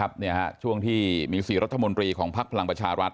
เจอกับนักข่าวอีกครั้งนึงช่วงที่มี๔รัฐมนตรีของภารังประชารัติ